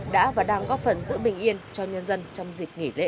đã và đang góp phần giữ bình yên cho nhân dân trong dịp nghỉ lễ